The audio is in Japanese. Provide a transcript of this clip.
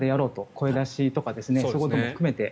声出しとかそういうことも含めて。